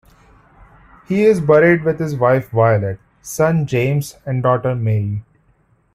He is buried with his wife Violet, son James and daughter Mary.